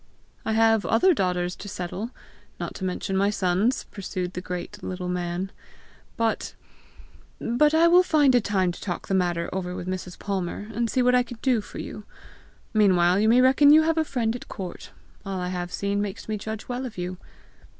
"I have other daughters to settle not to mention my sons," pursued the great little man, " but but I will find a time to talk the matter over with Mrs. Palmer, and see what I can do for you. Meanwhile you may reckon you have a friend at court; all I have seen makes me judge well of you.